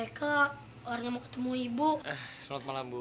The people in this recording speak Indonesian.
assalamualaikum ibu aku pulang bu